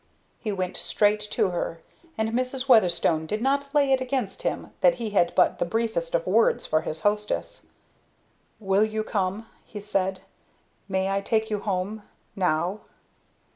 He went straight to her. And Mrs. Weatherstone did not lay it up against him that he had but the briefest of words for his hostess. "Will you come?" he said. "May I take you home now?"